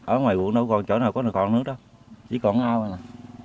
ở ngoài quận đâu còn chỗ nào có thì còn nước đó chỉ còn ao nè